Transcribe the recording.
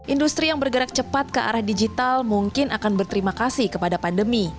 industri yang bergerak cepat ke arah digital mungkin akan berterima kasih kepada pandemi